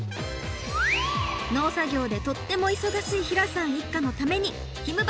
農作業でとっても忙しい平さん一家のためにひむ